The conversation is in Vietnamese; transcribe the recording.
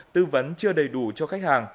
tư vấn chưa đầy đủ cho khách hàng